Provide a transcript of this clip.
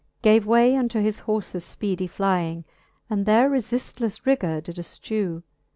Gave way unto his horfes fpeedie flying. And their refiftleffe rigour did efchew.